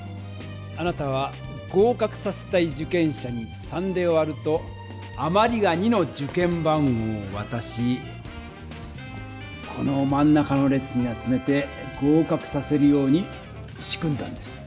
あなたは合かくさせたい受験者に３で割るとあまりが２の受験番号をわたしこのまん中の列に集めて合かくさせるように仕組んだんです。